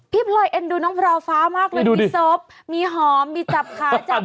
พี่พลอยเอ็นดูน้องพลาวฟ้ามากเลยมีศพมีหอมมีจับขาจับมือ